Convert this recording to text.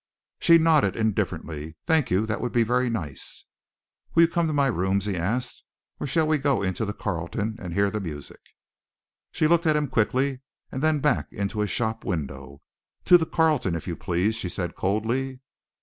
She nodded indifferently. "Thank you. That would be very nice." "Will you come to my rooms," he asked, "or shall we go into the Carlton and hear the music?" She looked at him quickly, and then back into a shop window. "To the Carlton, if you please," she said coldly.